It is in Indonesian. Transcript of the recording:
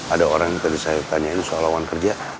ada orang yang tadi saya tanya ini soal lowongan kerja